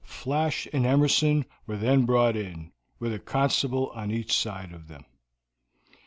Flash and Emerson were then brought in, with a constable on each side of them.